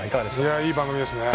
いい番組ですね。